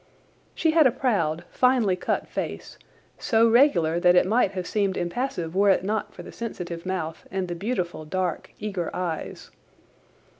She had a proud, finely cut face, so regular that it might have seemed impassive were it not for the sensitive mouth and the beautiful dark, eager eyes.